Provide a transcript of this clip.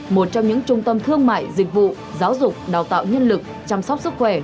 một trong những trung tâm thương mại dịch vụ giáo dục đào tạo nhân lực chăm sóc sức khỏe